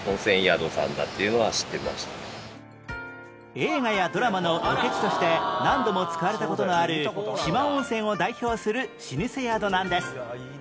映画やドラマのロケ地として何度も使われた事のある四万温泉を代表する老舗宿なんです